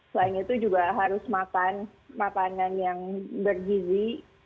selain itu juga harus makan makanan yang bergizi